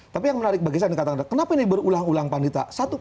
tapi yang menarik bagi saya dikatakan kenapa ini berulang ulang panita